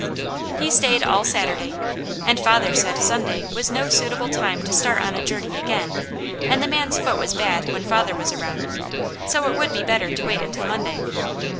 He stayed all Saturday, and father said Sunday was no suitable time to start on a journey again, and the man's foot was bad when father was around, so it would be better to wait until Monday.